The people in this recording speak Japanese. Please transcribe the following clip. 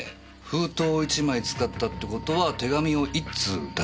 封筒を１枚使ったって事は手紙を１通出した？